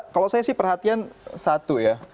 kalau saya sih perhatian satu ya